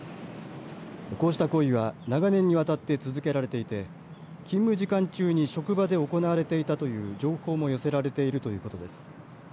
こうした行為は長年にわたって続けられていて勤務時間中に職場で行われていたという情報も寄せられているということです。